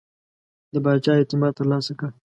د پاچا اعتماد ترلاسه کړ.